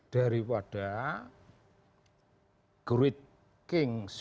daripada great kings